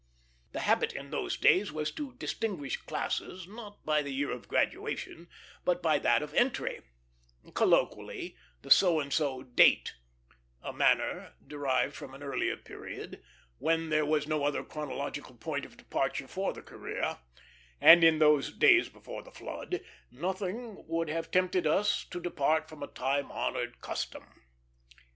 The habit in those days was to distinguish classes, not by the year of graduation, but by that of entry colloquially, the so and so "Date" a manner derived from an earlier period, when there was no other chronological point of departure for the career; and in those "days before the flood" nothing would have tempted us to depart from a time honored custom.